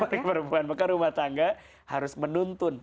pertama sekali yang dituntun ke rumah tangga harus menuntun